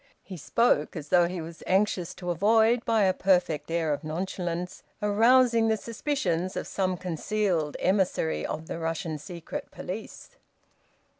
He spoke as though he was anxious to avoid, by a perfect air of nonchalance, arousing the suspicions of some concealed emissary of the Russian secret police.